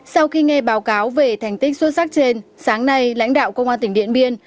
sau khi nghe báo cáo về thành tích xuất sắc trên sáng nay lãnh đạo công an tỉnh điện biên